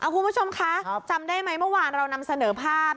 คุณผู้ชมคะจำได้ไหมเมื่อวานเรานำเสนอภาพ